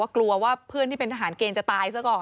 กลัวว่าเพื่อนที่เป็นทหารเกณฑ์จะตายซะก่อน